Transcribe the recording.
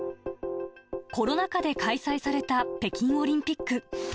コロナ禍で開催された北京オリンピック。